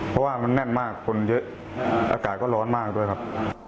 เพราะว่ามันแน่นมากคนเยอะอากาศก็ร้อนมากด้วยครับ